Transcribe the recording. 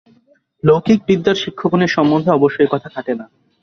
লৌকিক বিদ্যার শিক্ষকগণের সম্বন্ধে অবশ্য এ-কথা খাটে না।